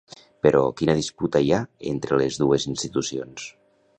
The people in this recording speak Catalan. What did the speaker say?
Però, quina disputa hi ha entre les dues institucions?